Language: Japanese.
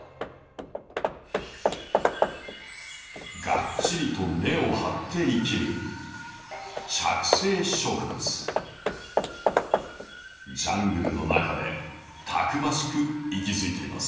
ガッチリと根を張って生きるジャングルの中でたくましく息づいています。